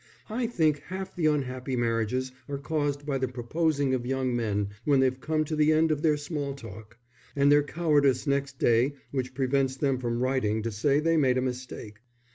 I think half the unhappy marriages are caused by the proposing of young men when they've come to the end of their small talk; and their cowardice next day which prevents them from writing to say they made a mistake."